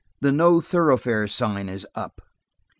The 'no thoroughfare' sign is up."